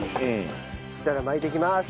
そしたら巻いていきます。